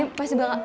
ini pasti bela fyp